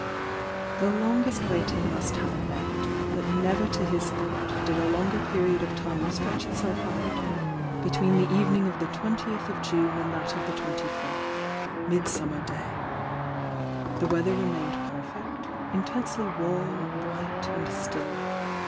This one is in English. The longest waiting must have an end, but never to his thought did a longer period of time stretch itself out between the evening of the twentieth of June and that of the twenty fourth, Midsummer Day. The v. eather remained perfect; intensely warm, bright and still.